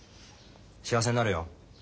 幸せになれよ。